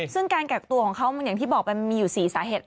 ซึ่งการกักตัวของเขาอย่างที่บอกมันมีอยู่๔สาเหตุ